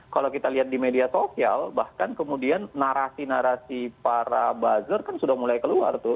kalau kita lihat di media sosial bahkan kemudian narasi narasi para buzzer kan sudah mulai keluar tuh